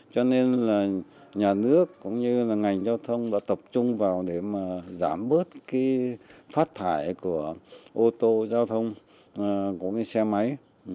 cho nên nhà nước cũng như ngành giao thông đã tập trung vào để giảm bớt phát thải của ô tô giao thông xe máy